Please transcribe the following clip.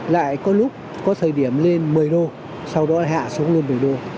lại có lúc có thời điểm lên một mươi đô sau đó hạ xuống lên một mươi đô